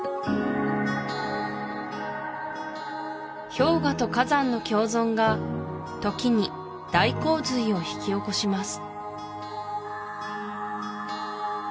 氷河と火山の共存が時に大洪水を引き起こします